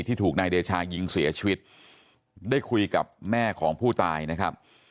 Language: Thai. ที่ถูกนายเดชายิงเสียชีวิตได้คุยกับแม่ของผู้ตายนะครับ